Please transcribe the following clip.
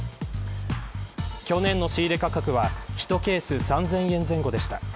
去年の仕入れ価格は１ケース３０００円前後でした。